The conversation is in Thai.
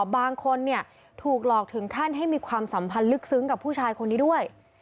บางคนถูกหลอกถึงขั้นให้มีความสัมพันธ์ลึกซึ้งกับผู้ชายคนนี้ด้วย